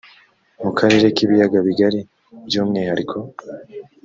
mu karere k ibiyaga bigari by umwihariko